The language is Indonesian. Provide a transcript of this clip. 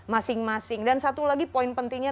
masing masing dan satu lagi poin pentingnya